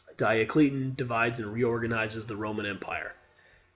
Diocletian divides and reorganizes the Roman empire.